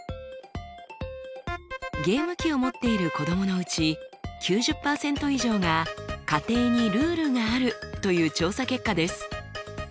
ゲーム機を持っている子どものうち９０％以上が家庭にルールがあるという調査結果です。